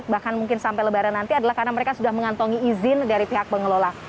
bahkan mungkin sampai lebaran nanti adalah karena mereka sudah mengantongi izin dari pihak pengelola